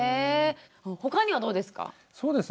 他にはどうですか？